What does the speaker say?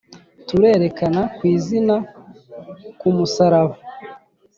turerekana. .. ku izina ku musaraba.